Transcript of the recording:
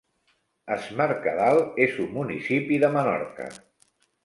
Es Mercadal és un municipi de Menorca.